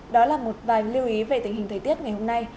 đó là một vài lưu ý về tình hình thời tiết ngày hôm nay